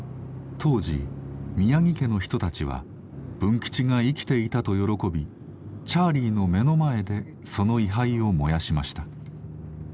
当時宮城家の人たちは文吉が生きていたと喜びチャーリーの目の前でその位牌を燃やしました。